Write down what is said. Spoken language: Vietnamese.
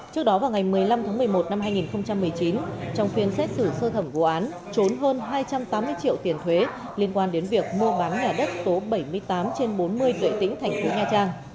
trước đó vào ngày một mươi năm tháng một mươi một năm hai nghìn một mươi chín trong phiên xét xử sơ thẩm vụ án trốn hơn hai trăm tám mươi triệu tiền thuế liên quan đến việc mua bán nhà đất số bảy mươi tám trên bốn mươi tuệ tĩnh thành phố nha trang